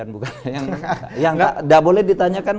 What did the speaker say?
tidak boleh ditanyakan